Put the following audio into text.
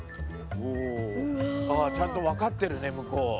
ああちゃんと分かってるね向こう。